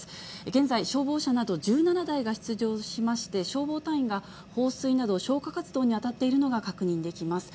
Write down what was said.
現在、消防車など１７台が出動しまして、消防隊員が放水など、消火活動に当たっているのが確認できます。